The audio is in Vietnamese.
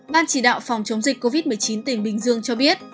ban chỉ đạo phòng chống dịch covid một mươi chín tỉnh bình dương cho biết